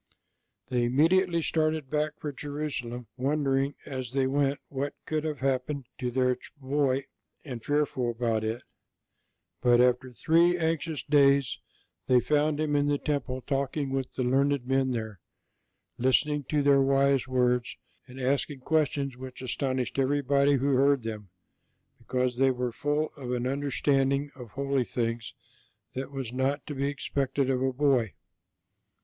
They immediately started back for Jerusalem, wondering as they went what could have happened to their boy and fearful about it; but after three anxious days they found Him in the temple talking with the learned men there, listening to their wise words, and asking questions which astonished everybody who heard them, because they were full of an understanding of holy things that was not to be expected of a boy.